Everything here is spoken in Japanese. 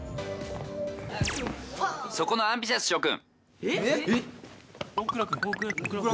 そこのアンビシャス諸君。